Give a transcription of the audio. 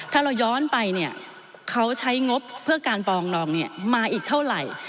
ถ้าเราย้อนไปเนี่ยเขาใช้งบเพื่อการปองรองมาอีกเท่าไหร่